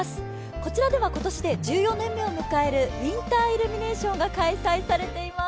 こちらでは今年で１４年目を迎えるウインターイルミネーションが開催されています。